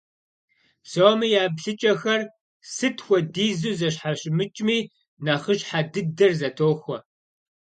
Псоми я еплъыкӀэхэр, сыт хуэдизу зэщхьэщымыкӀми, нэхъыщхьэ дыдэр зэтохуэ.